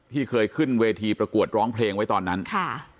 เคยขึ้นเวทีประกวดร้องเพลงไว้ตอนนั้นค่ะ